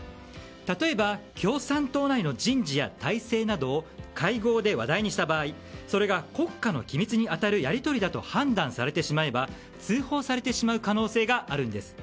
例えば、共産党内の人事や体制などを会合で話題にした場合それが国家の機密に当たるやり取りだと判断されてしまえば通報されてしまう可能性があるんです。